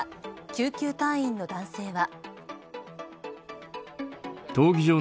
救急隊員の男性は。